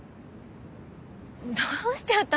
どうしちゃったの？